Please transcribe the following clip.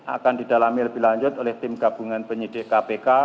akan didalami lebih lanjut oleh tim gabungan penyidik kpk